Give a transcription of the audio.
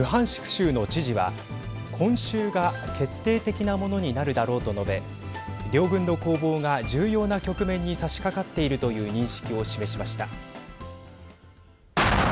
州の知事は今週が決定的なものになるだろうと述べ両軍の攻防が重要な局面にさしかかっているという認識を示しました。